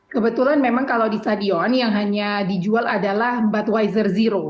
kebetulan memang kalau di stadion yang hanya dijual adalah budwizer zero